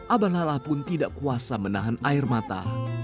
abah lala pun tidak kuasa menahan air mata